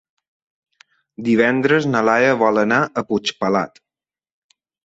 Divendres na Laia vol anar a Puigpelat.